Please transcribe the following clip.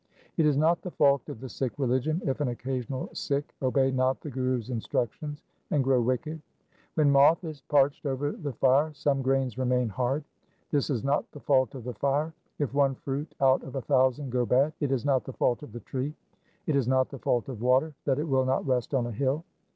1 It is not the fault of the Sikh religion if an occasional Sikh obey not the Guru's instructions and grow wicked :— When moth 2 is parched over the fire some grains remain hard. This is not the fault of the fire. If one fruit out of a thousand go bad, it is not the fault of the tree. It is not the fault of water that it will not rest on a hill.